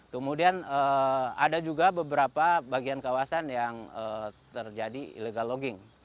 kemudian ada juga beberapa bagian kawasan yang terjadi illegal logging